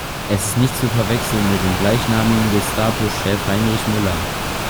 Er ist nicht zu verwechseln mit dem gleichnamigen Gestapo-Chef Heinrich Müller.